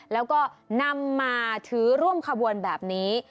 แล้วก็นำมาถือร่วมขบวนแบบนี้